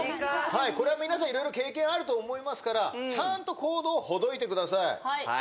これは皆さん色々経験あると思いますからちゃーんとコードをほどいてください。